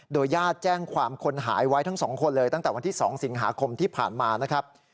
ญาติแจ้งความคนหายไว้ทั้งสองคนเลยตั้งแต่วันที่๒สิงหาคมที่ผ่านมานะครับ